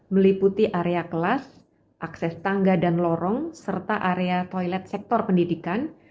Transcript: meliputi area kelas akses tangga dan lorong serta area toilet sektor pendidikan